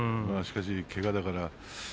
しかしけがだから。